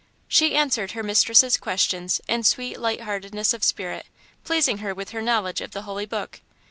She answered her mistress's questions in sweet light heartedness of spirit, pleasing her with her knowledge of the Holy Book.